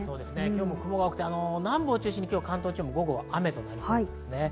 雲が多くて南部を中心に関東地方も午後は雨となりそうです。